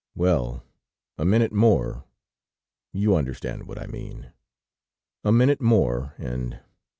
"... Well, a minute more ... you understand what I mean? A minute more and